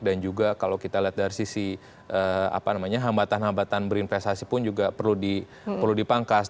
dan juga kalau kita lihat dari sisi apa namanya hambatan hambatan berinvestasi pun juga perlu dipangkas